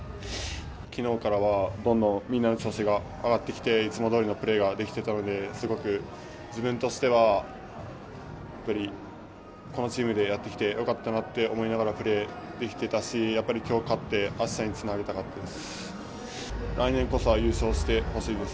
昨日からは、どんどんみんなの調子が上がってきていつもどおりのプレーができてきたので自分としてはこのチームでやってきてよかったなと思いながらプレーできてたし今日勝ってあしたにつなげたかったです。